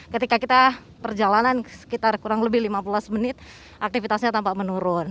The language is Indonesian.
ketika kita perjalanan sekitar kurang lebih lima belas menit aktivitasnya tampak menurun